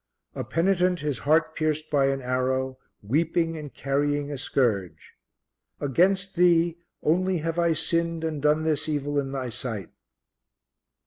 A penitent, his heart pierced by an arrow, weeping and carrying a scourge: "Against Thee only have I sinned and done this evil in Thy sight."